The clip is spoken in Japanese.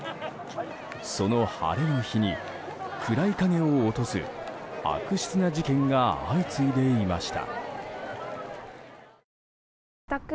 その晴れの日に、暗い影を落とす悪質な事件が相次いでいました。